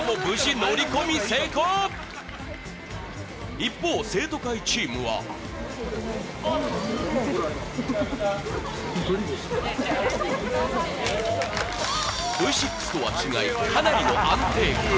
一方、生徒会チームはＶ６とは違い、かなりの安定感。